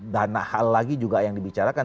dan hal lagi juga yang dibicarakan